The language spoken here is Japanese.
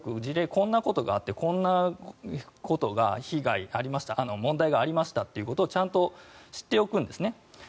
こんなことがあってこんなことが被害ありました問題がありましたということをちゃんと知っておくんですね。